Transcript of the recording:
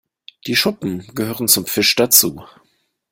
Die Schuppen gehören zum Fisch dazu.